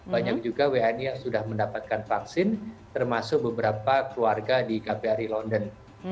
banyak juga wni yang sudah mendapatkan vaksin termasuk beberapa keluarga di kbri london